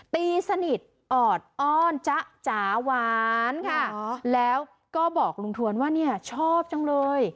ตีสนิทออดอ้อนจ๊ะจ๋าหวานค่ะแล้วก็บอกลุงทวนว่าเนี่ยชอบจังเลย